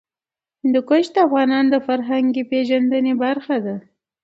هندوکش د افغانانو د فرهنګي پیژندنې برخه ده.